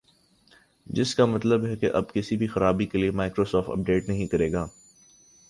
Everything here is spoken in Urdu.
جس کا مطلب ہے اب کسی بھی خرابی کے لئے مائیکروسافٹ اپ ڈیٹ نہیں کرے گا